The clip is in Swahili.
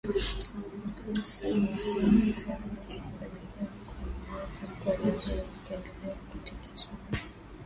mfumuko wa bei za bidhaa kwa wanunuzi, uku eneo hilo likiendelea kutikiswa na